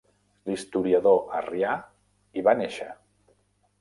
L'historiador Arrià hi va néixer.